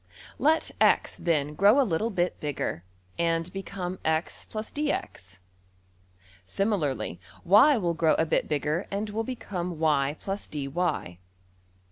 Let $x$, then, grow a little bit bigger and become $x + dx$; similarly, $y$~will grow a bit bigger and will become $y + dy$.